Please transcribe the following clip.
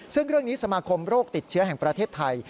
ซึ่งเรื่องนี้สมาคมโรคติดเชื้อแห่งประเทศไทย